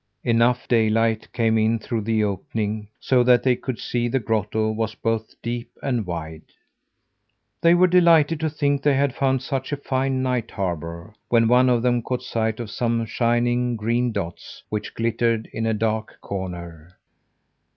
Enough daylight came in through the opening, so that they could see the grotto was both deep and wide. They were delighted to think they had found such a fine night harbour, when one of them caught sight of some shining, green dots, which glittered in a dark corner.